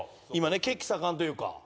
今ね血気盛んというか。